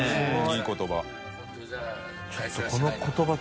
いい言葉。